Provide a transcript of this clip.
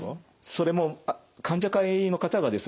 それも患者会の方がですね